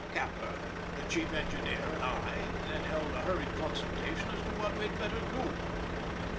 Capper, the chief engineer, and I then held a hurried consultation as to what we had better do.